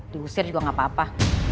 diusir juga gak apa apa